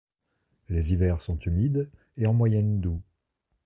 Les hivers sont humides et en moyenne doux.